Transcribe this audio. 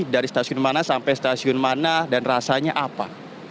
dari stasiun mana sampai stasiun mana dan rasanya apa